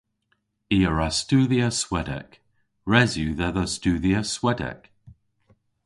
I a wra studhya Swedek. Res yw dhedha studhya Swedek.